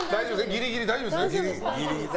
ギリギリ大丈夫です。